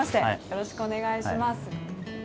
よろしくお願いします。